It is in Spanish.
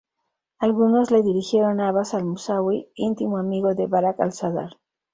Algunos le dirigieron a Abbas al-Musawi, íntimo amigo de Bakr-al-Sadr.